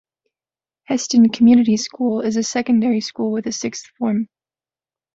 Heston Community School is a secondary school with a sixth form.